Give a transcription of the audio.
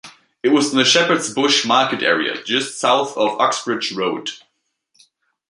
It was in the Shepherd's Bush Market area just south of Uxbridge Road.